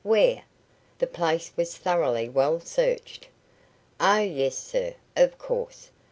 "Where? The place was thoroughly well searched." "Oh! yes, sir, of course."